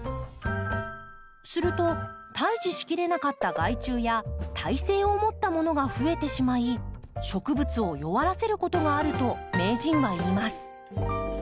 すると退治しきれなかった害虫や耐性をもったものがふえてしまい植物を弱らせることがあると名人は言います。